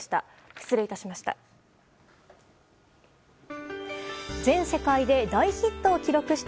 失礼いたしました。